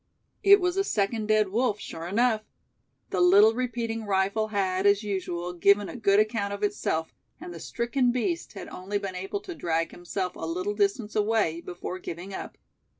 '" It was a second dead wolf, sure enough. The little repeating rifle had, as usual, given a good account of itself, and the stricken beast had only been able to drag himself a little distance away, before giving up.